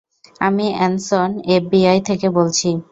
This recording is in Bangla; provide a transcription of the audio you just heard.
আমি অ্যানসন, এফবিআই থেকে বলছি।